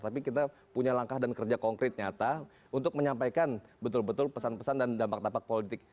tapi kita punya langkah dan kerja konkret nyata untuk menyampaikan betul betul pesan pesan dan dampak dampak politik